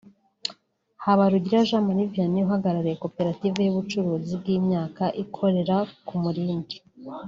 Habarugira Jean Marie Vianney uhagarariye Koperative y’Ubucuruzi bw’imyaka ikorera ku Murindi